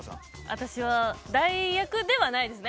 私は代役ではないですよね？